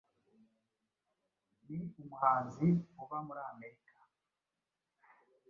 ni umuhanzi uba muri Amerika,